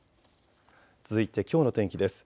続いて、きょうの天気です。